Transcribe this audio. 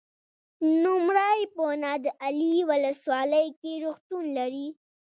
نوموړی په نادعلي ولسوالۍ کې روغتون لري.